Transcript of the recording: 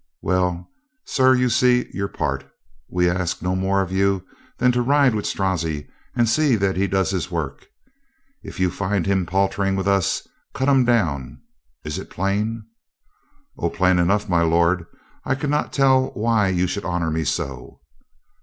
Well, sir you see your part. We ask no more of you than to ride with Strozzi and see that he does his work. If you find him paltering with us, cut him down. Is it plain?" "O, plain enough, my lord. I can not tell why you should honor me so."